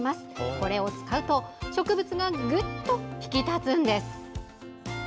これを使うと植物がぐっと引き立つんです。